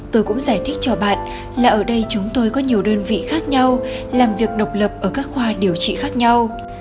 tôi cũng giải thích cho bạn là ở đây chúng tôi có nhiều đơn vị khác nhau làm việc độc lập ở các khoa điều trị khác nhau